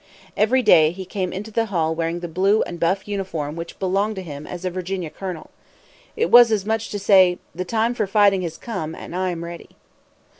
Every day, he came into the hall wearing the blue and buff uniform which belonged to him as a Virginia colonel. It was as much as to say: "The time for fighting has come, and I am ready."